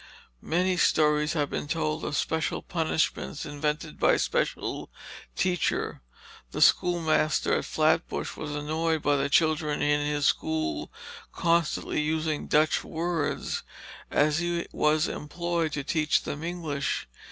Many stories have been told of special punishments invented by special teachers. The schoolmaster at Flatbush was annoyed by the children in his school constantly using Dutch words, as he was employed to teach them English.